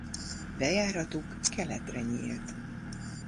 Bejáratuk keletre nyílt.